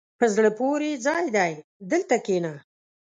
په زړه پورې ځای دی، دلته کښېنه.